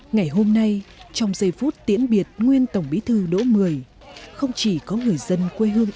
ngày hôm nay trong giây phút tiễn biệt nguyên tổng bí thư đỗ mười không chỉ có người dân quê hương